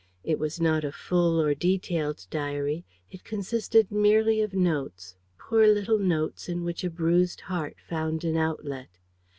It was not a full or detailed diary. It consisted merely of notes, poor little notes in which a bruised heart found an outlet.